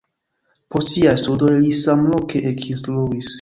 Post siaj studoj li samloke ekinstruis.